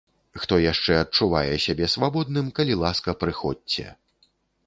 Хто яшчэ адчувае сябе свабодным, калі ласка, прыходзьце.